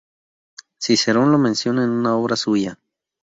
Cicerón lo menciona en una obra suya.